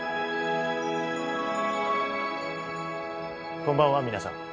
こんばんは皆さん。